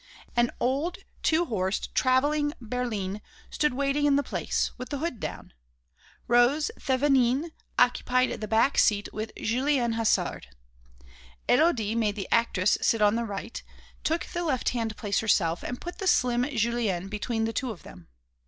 An old two horsed travelling berline stood waiting in the Place, with the hood down. Rose Thévenin occupied the back seat with Julienne Hasard. Élodie made the actress sit on the right, took the left hand place herself and put the slim Julienne between the two of them.